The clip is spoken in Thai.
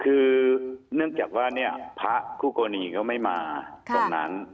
คือเนื่องจากว่าเนี่ยพระคู่กรณีเขาไม่มาตรงนั้น